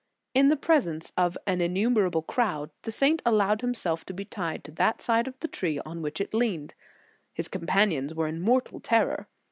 In presence of an innumerable crowd, the saint allowed himself to be tied to that side of the tree on which it leaned. His com panions were in mortal terror.